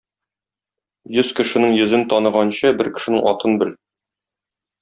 Йөз кешенең йөзен таныганчы бер кешенең атын бел!